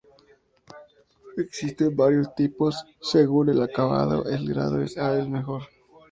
Existen varios tipos según el acabado, el grado A es el mejor.